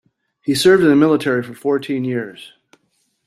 He served in the military for fourteen years.